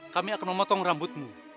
kami akan memotong rambutmu